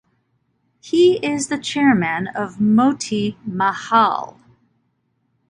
He is the chairman of Moti Mahal.